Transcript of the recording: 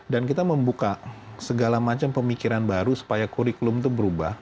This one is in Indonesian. dan kita membuka segala macam pemikiran baru supaya curriculum itu berubah